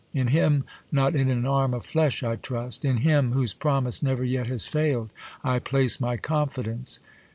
In Him, not in an arm of flesh I trust ; In Him, whose promise never yet has fail'd, I place my confidence.